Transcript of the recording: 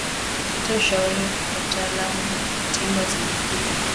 Pata ushauri wa wataalamu wa wa tiba za mifugo